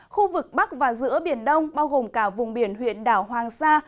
khu vực bắc và giữa biển đông bao gồm cả vùng biển huyện đảo hoàng sa